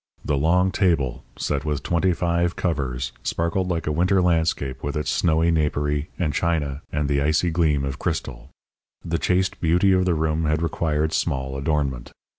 The long table, set with twenty five covers, sparkled like a winter landscape with its snowy napery and china and the icy gleam of crystal. The chaste beauty of the room had required small adornment.